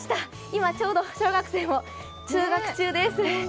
今、ちょうど小学生も通学中です。